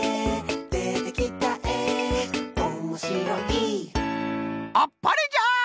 「でてきたえおもしろい」あっぱれじゃ！